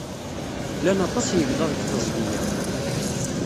Llan aṭas n yegḍaḍ deg teẓgi-a.